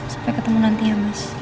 sampai ketemu nanti ya mas